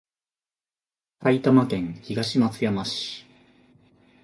埼玉県東松山市